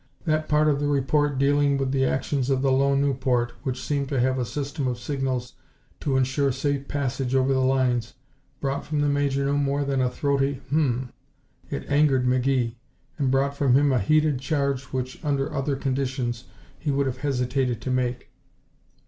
That part of the report dealing with the actions of the lone Nieuport, which seemed to have a system of signals to insure safe passage over the lines, brought from the Major no more than a throaty, "Hum m." It angered McGee, and brought from him a heated charge which under other conditions he would have hesitated to make.